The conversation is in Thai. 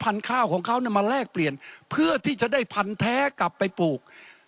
ข้าวของเขามาแลกเปลี่ยนเพื่อที่จะได้พันธุ์แท้กลับไปปลูก